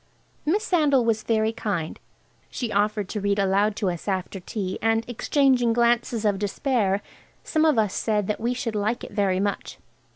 Miss Sandal was very kind. She offered to read aloud to us after tea, and, exchanging glances of despair, some of said that we should like it very much.